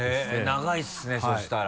長いですねそうしたら。